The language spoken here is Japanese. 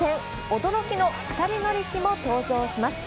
驚きの２人乗り機も登場します。